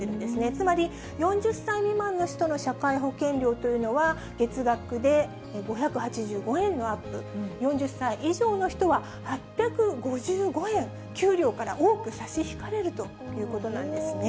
つまり、４０歳未満の人の社会保険料というのは、月額で５８５円のアップ、４０歳以上の人は８５５円、給料から多く差し引かれるということなんですね。